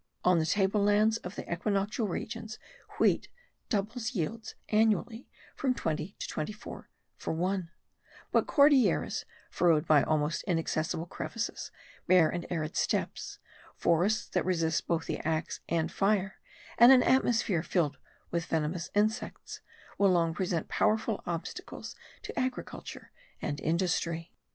On the table lands of the equinoctial regions wheat doubtless yields annually from twenty to twenty four for one; but Cordilleras furrowed by almost inaccessible crevices, bare and arid steppes, forests that resist both the axe and fire, and an atmosphere filled with venomous insects, will long present powerful obstacles to agriculture and industry.